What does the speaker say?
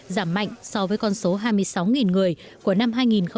giảm mạnh so với con số hai mươi sáu người của năm hai nghìn một mươi tám